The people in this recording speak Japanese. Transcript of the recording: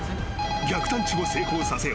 逆探知を成功させよ。